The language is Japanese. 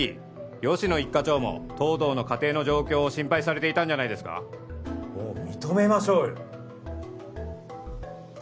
吉乃一課長も東堂の家庭の状況を心配されていたんじゃないですかもう認めましょうよ心